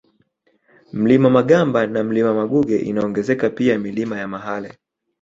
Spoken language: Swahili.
Mlima Magamba na Mlima Maguge inaongezeka pia Milima ya Mahale